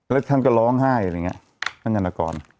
แล้วท่านก็ร้องไห้อะไรอย่างนี้ท่านธนกร